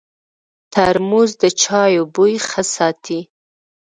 ترموز د چایو بوی ښه ساتي.